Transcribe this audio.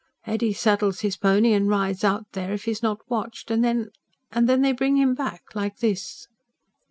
Eddy saddles his pony and rides out there, if he's not watched; and then ... then, they bring him back ... like this."